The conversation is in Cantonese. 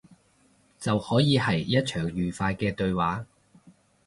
就可以係一場愉快嘅對話